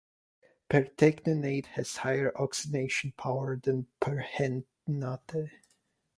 Pertechnetate has higher oxidation power than perrhenate.